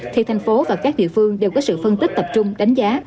thì thành phố và các địa phương đều có sự phân tích tập trung đánh giá